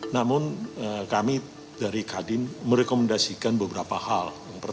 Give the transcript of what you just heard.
namun kami dari kadin merekomendasikan